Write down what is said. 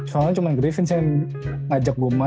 soalnya cuma griffins yang ngajak gua main